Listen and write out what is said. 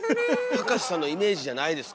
葉加瀬さんのイメージじゃないですか？